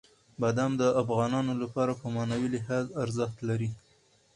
بادام د افغانانو لپاره په معنوي لحاظ ارزښت لري.